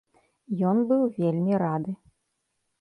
Ён быў вельмі рады.